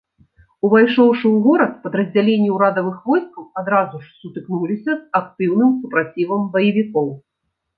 Увайшоўшы ў горад, падраздзяленні ўрадавых войскаў адразу ж сутыкнуліся з актыўным супрацівам баевікоў.